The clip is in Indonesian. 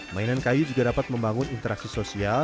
mainan kayu juga dapat membangun interaksi sosial